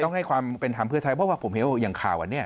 ต้องให้ความเป็นทำภพไทยเพราะว่าผมเห็นยังข่าวนี้